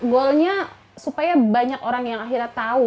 goalnya supaya banyak orang yang akhirnya tahu